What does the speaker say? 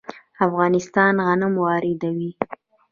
افغانستان غنم واردوي.